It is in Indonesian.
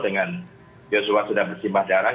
dengan joshua sudah bersimbah darah